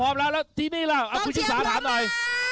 ๓พร้อมแล้วทีนี้ล่ะคุณชิคกี้พายถามหน่อย